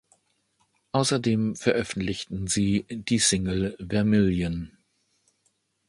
Außerdem veröffentlichten sie die Single "Vermilion".